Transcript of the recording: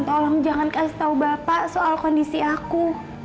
tolong jangan kasih tahu bapak soal kondisi aku